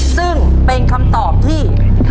ซึ่งเป็นคำตอบที่